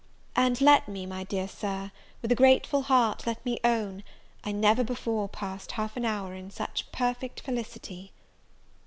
And let me, my dear Sir, with a grateful heart let me own, I never before passed half an hour in such perfect felicity.